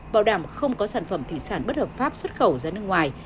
bảo đảm không có sản phẩm thủy sản bất hợp pháp xuất khẩu ra nước ngoài